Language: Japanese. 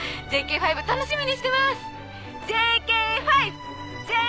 ＪＫ５楽しみにしてます！